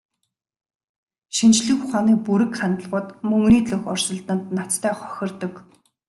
Шинжлэх ухааны бүрэг хандлагууд мөнгөний төлөөх өрсөлдөөнд ноцтой хохирдог.